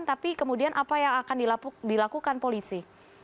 tapi kemudian apa yang akan dilakukan polisi